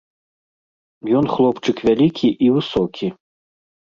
Ён хлопчык вялікі і высокі.